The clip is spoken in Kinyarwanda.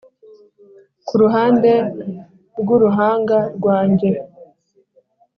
kuruhande rwuruhanga rwanjye,